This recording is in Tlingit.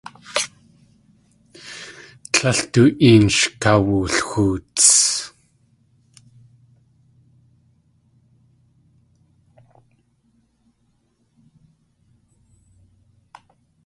Tlél du een sh kawulxoots.